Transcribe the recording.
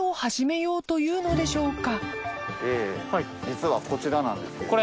実はこちらなんですけども。